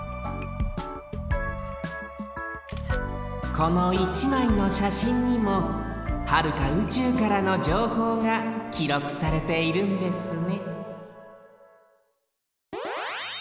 この１まいのしゃしんにもはるかうちゅうからのじょうほうがきろくされているんですね